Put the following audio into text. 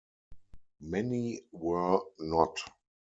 Many were not.